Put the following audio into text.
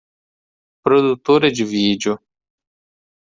Produtora de vídeo